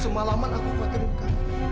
semalam aku buat pernikahan